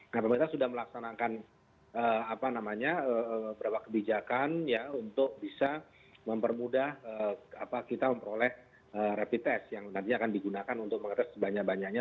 nah pemerintah sudah melaksanakan beberapa kebijakan untuk bisa mempermudah kita memperoleh rapid test yang nantinya akan digunakan untuk mengetes sebanyak banyaknya